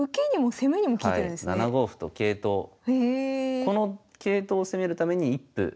この桂頭を攻めるために一歩。